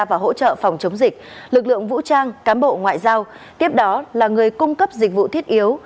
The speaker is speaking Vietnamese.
và hỗ trợ phòng chống dịch lực lượng vũ trang cám bộ ngoại giao tiếp đó là người cung cấp dịch vụ thiết yếu